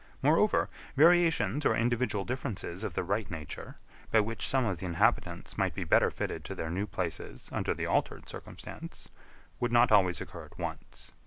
Moreover, variations or individual differences of the right nature, by which some of the inhabitants might be better fitted to their new places under the altered circumstance, would not always occur at once.